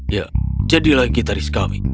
ya jadilah gitaris kami